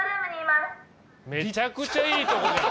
めちゃくちゃいいとこじゃん！